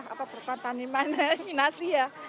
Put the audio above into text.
apa terkontaminasi ya